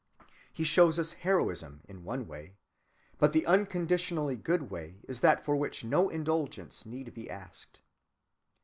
He shows us heroism in one way, but the unconditionally good way is that for which no indulgence need be asked.